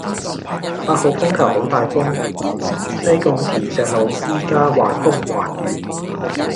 八號風球好大風，西貢田石路依家橫風橫雨